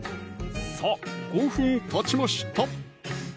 さぁ５分たちました！